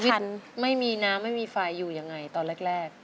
ชีวิตไม่มีน้ำไม่มีไฟอยู่อย่างไรตอนแรก